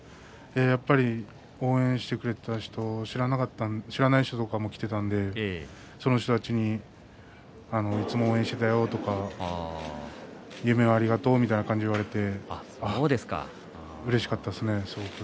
やっぱり応援してくれた人知らない人とかも来ていたのでその人たちにいつも応援していたよとか夢をありがとうみたいに言われてうれしかったですね、すごく。